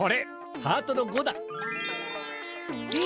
ハートの５だ。え！？